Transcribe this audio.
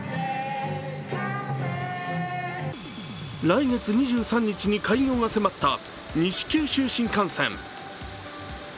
来月２３日に開業が迫った西九州新幹線。